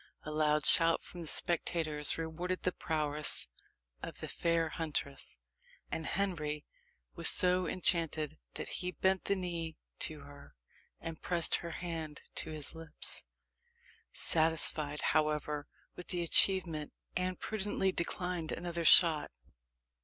A loud shout from the spectators rewarded the prowess of the fair huntress; and Henry was so enchanted, that he bent the knee to her, and pressed her hand to his lips. Satisfied, however, with the' achievement, Anne prudently declined another shot.